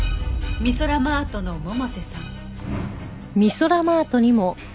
ミソラマートの百瀬さん。